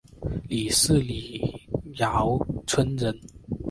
李迅李姚村人。